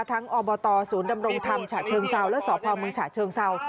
ทั้งอบตศูนย์ดำรงธรรมฉะเชิงเศร้าและศพมฉะเชิงเศร้า